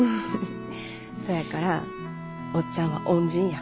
そやからおっちゃんは恩人や。